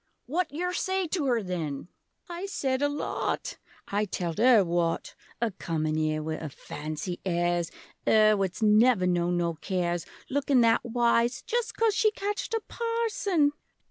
What yer say to 'er, then? I said a lot! I telled 'er what! A comin' ere wi' 'er fancy airs, 'Er what's never known no cares, Lookin' that wise Just coz she catched a Parson!